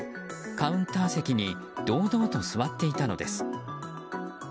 カウンター席に堂々と座っていたのです。